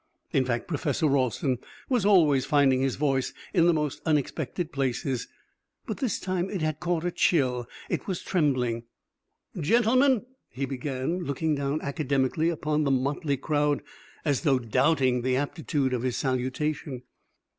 In fact, Professor Ralston was always finding his voice in the most unexpected places. But this time it had caught a chill. It was trembling. "Gentlemen," he began, looking down academically upon the motley crowd as though doubting the aptitude of his salutation.